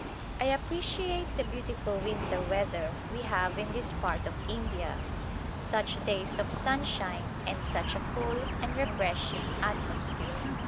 I appreciate the beautiful winter weather we have in this part of India, such days of sunshine and such a cool and refreshing atmosphere.